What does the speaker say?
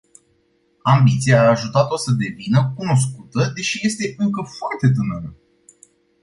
Ambiția a ajutat o să devină cunoscută, deși este încă foarte tânără.